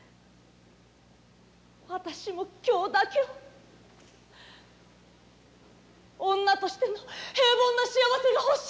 私も今日だけは女としての平凡な幸せがほしい。